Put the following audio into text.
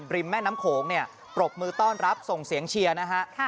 แม่น้ำโขงเนี่ยปรบมือต้อนรับส่งเสียงเชียร์นะฮะ